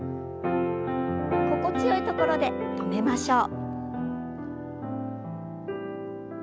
心地よいところで止めましょう。